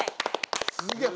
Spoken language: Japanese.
すげえ！